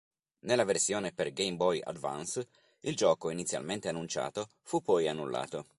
Nella versione per Game Boy Advance il gioco, inizialmente annunciato, fu poi annullato.